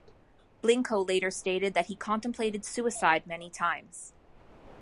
Blincoe later stated that he contemplated suicide many times.